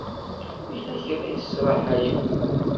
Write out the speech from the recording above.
Yella kra i tesraḥayem?